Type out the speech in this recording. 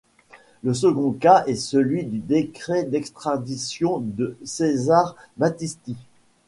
Le second cas est celui du décret d'extradition de Cesare Battisti.